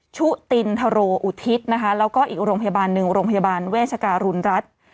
ชุตินทโรอุทิศนะคะแล้วก็อีกโรงพยาบาลหนึ่งโรงพยาบาลเวชการุณรัฐ